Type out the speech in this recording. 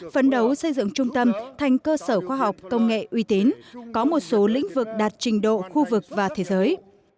phấn đấu xây dựng trung tâm thành cơ sở khoa học công nghệ uy tín có một số lĩnh vực đạt trình độ khu vực và thế giới